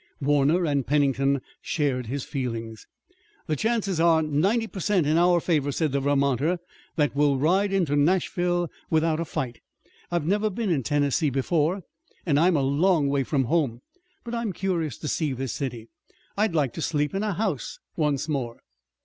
Warner and Pennington shared his feelings. "The chances are ninety per cent in our favor," said the Vermonter, "that we'll ride into Nashville without a fight. I've never been in Tennessee before, and I'm a long way from home, but I'm curious to see this city. I'd like to sleep in a house once more."